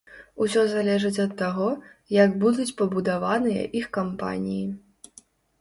Усё залежыць ад таго, як будуць пабудаваныя іх кампаніі.